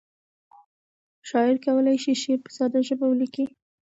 شاعر کولی شي شعر په ساده ژبه ولیکي.